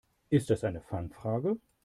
Ist das eine Fangfrage?